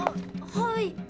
はい。